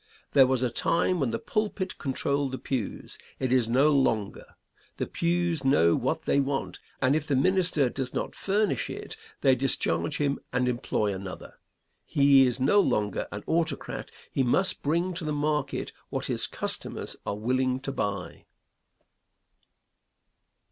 There was a time when the pulpit controlled the pews. It is so no longer. The pews know what they want, and if the minister does not furnish it they discharge him and employ another. He is no longer an autocrat; he must bring to the market what his customers are willing to buy.